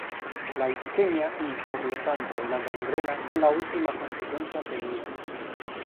La isquemia y, por lo tanto, la gangrena son la última consecuencia temida.